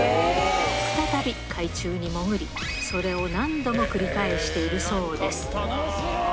再び海中に潜り、それを何度も繰り返しているそうです。